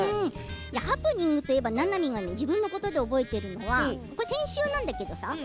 ハプニングといえば、ななみは自分のことで覚えているのは先週なんだけどさ